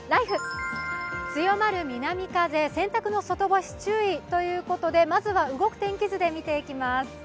強まる南風、洗濯の外干し注意ということでまずは動く天気図で見ていきます。